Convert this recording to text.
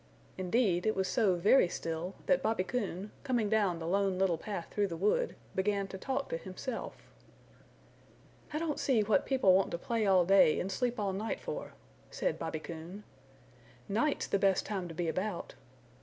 Indeed it was so very still that Bobby Coon, coming down the Lone Little Path through the wood, began to talk to himself. "I don't see what people want to play all day and sleep all night for," said Bobby Coon. "Night's the best time to be about.